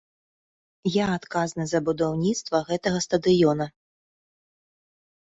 Я адказны за будаўніцтва гэтага стадыёна.